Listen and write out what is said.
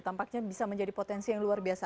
tampaknya bisa menjadi potensi yang luar biasa